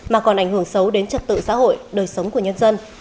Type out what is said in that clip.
mà còn ảnh hưởng xấu đến trật tự xã hội đời sống của nhân dân